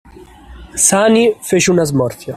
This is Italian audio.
Sani fece una smorfia.